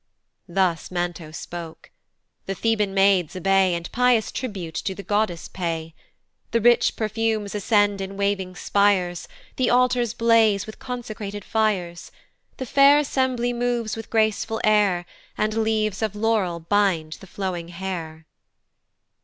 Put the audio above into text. Thus Manto spoke. The Theban maids obey, And pious tribute to the goddess pay. The rich perfumes ascend in waving spires, And altars blaze with consecrated fires; The fair assembly moves with graceful air, And leaves of laurel bind the flowing hair.